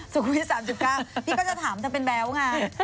สุขุมศิษย์๓๙นี่ก็จะถามถ้าเป็นแบลว์ง่ะ